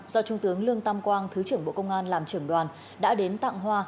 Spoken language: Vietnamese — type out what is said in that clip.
do trung tướng lương tam quang thứ trưởng bộ công an làm trưởng đoàn đã đến tặng hoa